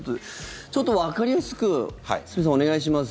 ちょっとわかりやすく堤さん、お願いします。